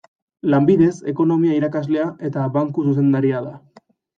Lanbidez ekonomia irakaslea eta banku zuzendaria da.